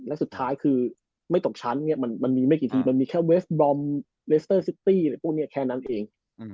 และสุดท้ายคือไม่ตกชั้นเนี่ยมันมีไม่กี่ทีมันมีแค่เวสบอมเลสเตอร์ซิตี้อะไรพวกนี้แค่นั้นเอง